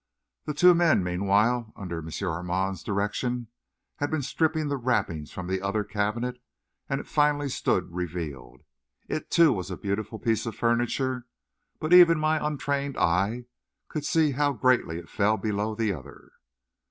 The two men, meanwhile, under M. Armand's direction, had been stripping the wrappings from the other cabinet, and it finally stood revealed. It, too, was a beautiful piece of furniture, but even my untrained eye could see how greatly it fell below the other.